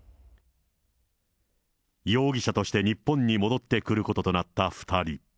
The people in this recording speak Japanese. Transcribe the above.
容疑者として日本に戻ってくることとなった２人。